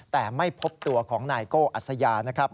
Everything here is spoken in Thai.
แต่ไม่พบตัวของนายโก้อัสยานะครับ